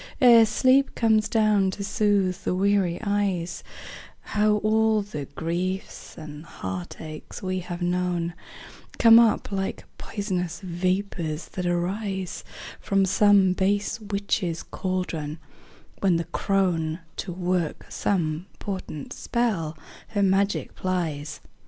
Ere sleep comes down to soothe the weary eyes, How all the griefs and heartaches we have known Come up like pois'nous vapors that arise From some base witch's caldron, when the crone, To work some potent spell, her magic plies.